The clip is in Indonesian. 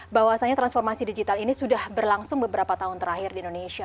bahwasannya transformasi digital ini sudah berlangsung beberapa tahun terakhir di indonesia